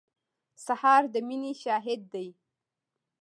سهار د مینې شاهد دی.